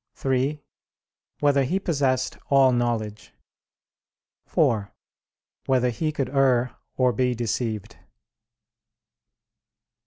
(3) Whether he possessed all knowledge? (4) Whether he could err or be deceived?